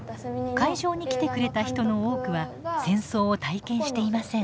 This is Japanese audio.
会場に来てくれた人の多くは戦争を体験していません。